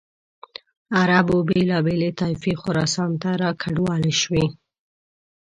عربو بېلابېلې طایفې خراسان ته را کډوالې شوې.